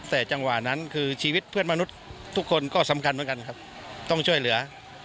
แต่จังหวะนั้นคือชีวิตเพื่อนมนุษย์ทุกคนก็สำคัญเหมือนกันครับต้องช่วยเหลือ